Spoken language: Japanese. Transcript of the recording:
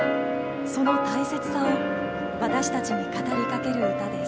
その大切さを私たちに語りかける歌です。